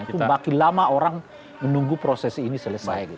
itu makin lama orang menunggu proses ini selesai